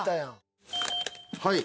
はい。